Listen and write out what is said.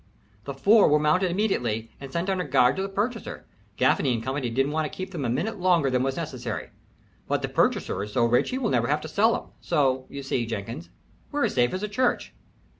The four were mounted immediately and sent under guard to the purchaser. Gaffany & Co. didn't want to keep them a minute longer than was necessary. But the purchaser is so rich he will never have to sell 'em so, you see, Jenkins, we're as safe as a church."